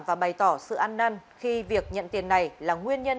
và bày tỏ sự ăn năn khi việc nhận tiền này là nguyên nhân